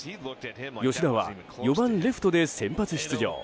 吉田は４番レフトで先発出場。